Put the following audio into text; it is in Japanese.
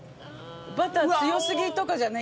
バター強過ぎとかじゃないんだ。